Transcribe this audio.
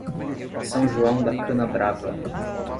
São João da Canabrava